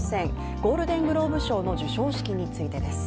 ゴールデングローブ賞の授賞式についてです。